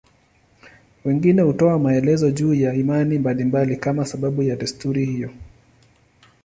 Wengine hutoa maelezo juu ya imani mbalimbali kama sababu ya desturi hiyo.